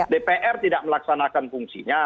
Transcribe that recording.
dpr tidak melaksanakan fungsinya